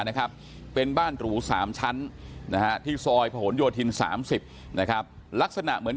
นะครับเป็นบ้านหรู๓ชั้นนะฮะที่ซอยผนโยธิน๓๐นะครับลักษณะเหมือน